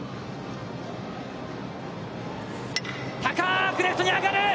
高くレフトに上がる。